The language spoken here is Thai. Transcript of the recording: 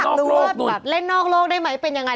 แบบเล่นนอกโลกได้ไหมเป็นยังไง